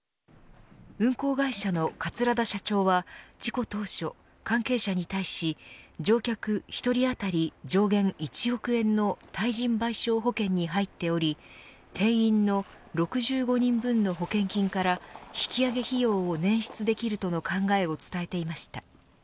運航会社の桂田社長は事故当初関係者に対し、乗客１人当たり上限１億円の対人賠償保険に入っており定員の６５人分の保険金から引き揚げ費用を捻出できるとの考えを伝えていました。